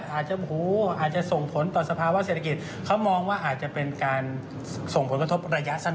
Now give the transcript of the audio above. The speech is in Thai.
อาจจะส่งผลต่อสภาวะเศรษฐกิจเขามองว่าอาจจะเป็นการส่งผลกระทบระยะสั้น